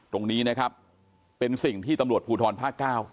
ตรงนี้นะครับเป็นสิ่งที่ตำรวจภูทรภาคเก้า